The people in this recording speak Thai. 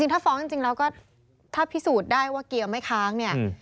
ถ้าฟ้องถ้าพิสูจน์ได้ว่าเกียร์ไม่ค้าง